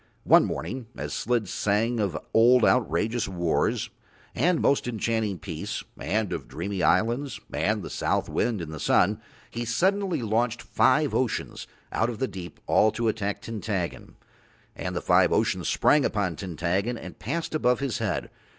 One morning as Slid sang of old outrageous wars and of most enchanting peace and of dreamy islands and the south wind and the sun, he suddenly launched five oceans out of the deep all to attack Tintaggon. And the five oceans sprang upon Tintaggon and passed above his head.